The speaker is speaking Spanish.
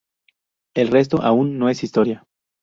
El resto aún no es Historia.